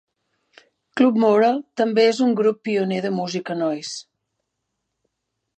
Club Moral també és un grup pioner de música Noise.